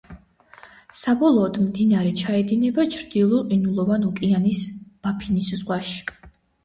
საბოლოოდ მდინარე ჩაედინება ჩრდილო ყინულოვან ოკეანის ბაფინის ზღვაში.